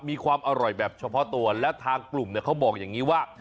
มีความอร่อยแบบเฉพาะตัวและทางกลุ่มเนี่ยเขาบอกอย่างนี้ว่า